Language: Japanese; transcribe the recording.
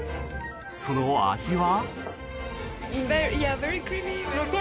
その味は？